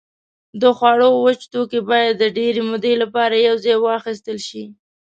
د خوړو وچ توکي باید د ډېرې مودې لپاره یوځای واخیستل شي.